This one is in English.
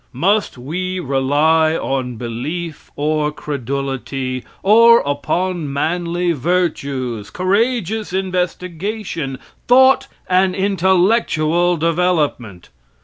Must we rely on belief or credulity, or upon manly virtues, courageous investigation, thought, and intellectual development?